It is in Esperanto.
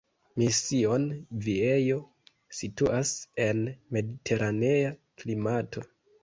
Mission Viejo situas en mediteranea klimato.